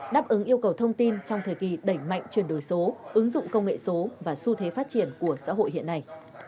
đáp ứng yêu cầu thông tin trong thời kỳ đẩy mạnh chuyển đổi số ứng dụng công nghệ số và xu thế phát triển của xã hội hiện nay